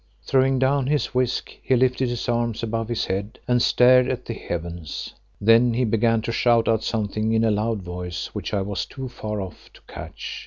Throwing down his whisk, he lifted his arms above his head and stared at the heavens. Then he began to shout out something in a loud voice which I was too far off to catch.